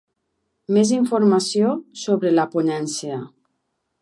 Més informació sobre la ponència.